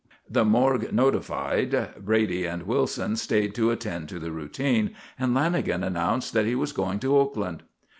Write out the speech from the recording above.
The morgue notified, Brady and Wilson stayed to attend to the routine, and Lanagan announced that he was going to Oakland.